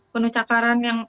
penuh cakaran yang